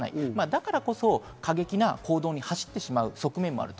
だからこそ過激な行動に走ってしまう側面もある。